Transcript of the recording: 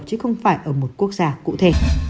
chứ không phải ở một quốc gia cụ thể